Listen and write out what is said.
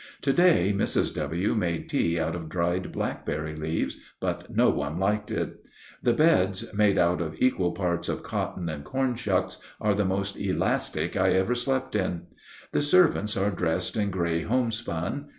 To day Mrs. W. made tea out of dried blackberry leaves, but no one liked it. The beds, made out of equal parts of cotton and corn shucks, are the most elastic I ever slept in. The servants are dressed in gray homespun.